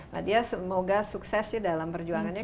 nadia semoga sukses dalam perjuangannya